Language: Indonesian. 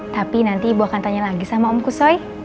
tapi nanti ibu akan tanya lagi sama om kusoi